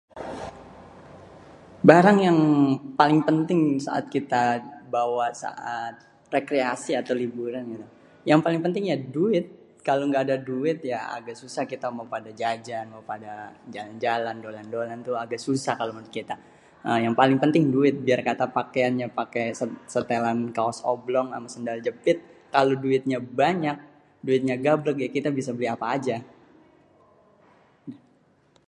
Barang yang paling penting saat kita bawa rekreasi atau liburan gitu.. yang paling penting ya duit. Kalo ngga ada duit ya agak susah kita mau pada jajan mau pada jalan-jalan dolan-dolan, itu agak susah tuh menurut kita, yang paling penting duit biar kata kita pakeannya setelan kaos oblong ama sendal jepit kalo duitnya banyak duitnya gabrek ya kita bisa beli apa aja.